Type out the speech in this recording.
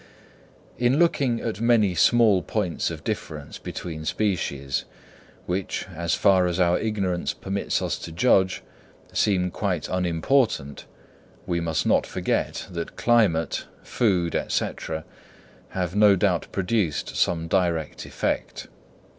In looking at many small points of difference between species, which, as far as our ignorance permits us to judge, seem quite unimportant, we must not forget that climate, food, &c., have no doubt produced some direct effect.